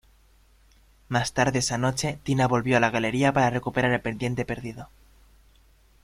Más tarde esa noche, Tina volvió a la galería para recuperar el pendiente perdido.